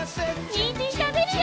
にんじんたべるよ！